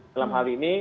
dalam hal ini